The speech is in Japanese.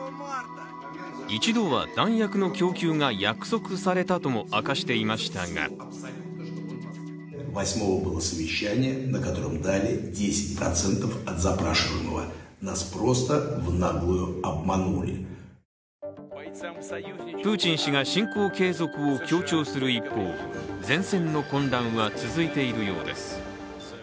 一度は弾薬の供給が約束されたとも明かしていましたがプーチン氏が侵攻継続を強調する一方、前線の混乱は続いているようです。